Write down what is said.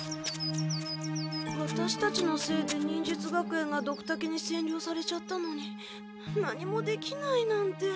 ワタシたちのせいで忍術学園がドクタケにせんりょうされちゃったのに何もできないなんて。